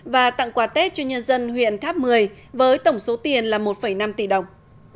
và tặng quà tết cho nhân dân huyện tháp một mươi với tổng số tiền là một năm tỷ đồng